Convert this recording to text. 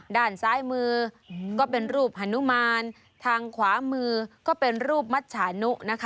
ด้านซ้ายมือก็เป็นรูปฮานุมานทางขวามือก็เป็นรูปมัชชานุนะคะ